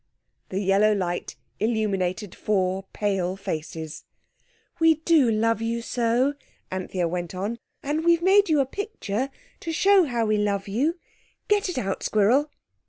The yellow light illuminated four pale faces. "We do love you so," Anthea went on, "and we've made you a picture to show you how we love you. Get it out, Squirrel."